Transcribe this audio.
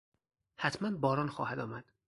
حتما باران خواهد آمد.